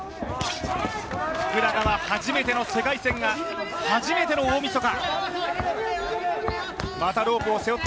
福永は初めての世界戦が初めての大みそか。